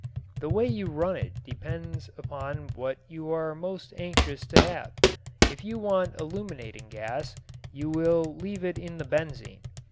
The way you run it depends upon what you are most anxious to have. If you want illuminating gas you will leave in it the benzene.